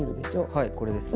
はいこれですね。